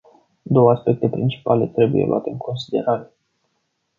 Două aspecte principale trebuie luate în considerare.